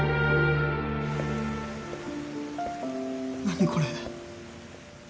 何これ！？